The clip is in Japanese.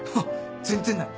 全然ない。